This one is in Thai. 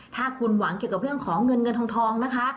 ถ้าคุณหวังเกี่ยวกับเรื่องของเงินเงินทองนะคะ